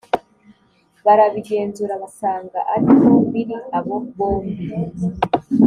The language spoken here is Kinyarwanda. barabigenzura basanga ari ko biri abo bombi